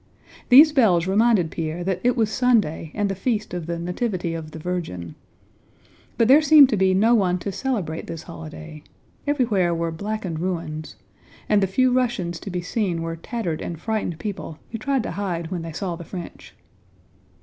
These bells reminded Pierre that it was Sunday and the feast of the Nativity of the Virgin. But there seemed to be no one to celebrate this holiday: everywhere were blackened ruins, and the few Russians to be seen were tattered and frightened people who tried to hide when they saw the French.